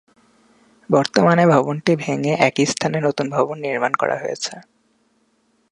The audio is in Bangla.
বর্তমানে ভবনটি ভেঙ্গে একই স্থানে নতুন ভবন নির্মাণ করা হয়েছে।